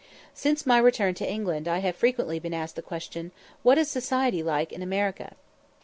Since my return to England I have frequently been asked the question, "What is society like in America?"